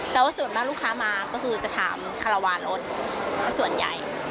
แต่ว่าส่วนมากลูกค้ามาก็คือจะถามคาราวารสส่วนใหญ่